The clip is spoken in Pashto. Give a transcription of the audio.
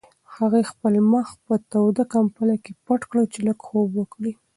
هغې خپل مخ په توده کمپله کې پټ کړ چې لږ خوب وکړي.